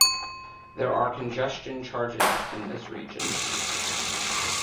There are congestion charges in this region.